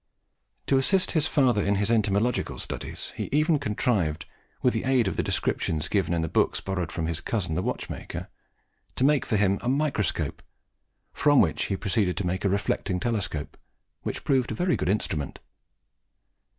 To assist his father in his entomological studies, he even contrived, with the aid of the descriptions given in the books borrowed from his cousin the watchmaker, to make for him a microscope, from which he proceeded to make a reflecting telescope, which proved a very good instrument.